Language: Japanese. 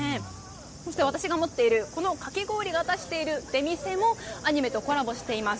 そして私が持っているかき氷が出している出店もアニメとコラボしています。